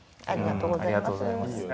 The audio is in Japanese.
ありがとうございます。